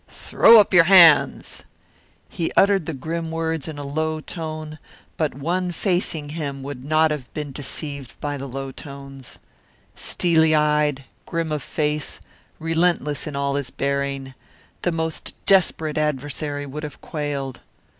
"Throw up your hands!" He uttered the grim words in a low tone, but one facing him would not have been deceived by low tones. Steely eyed, grim of face, relentless in all his bearing, the most desperate adversary would have quailed.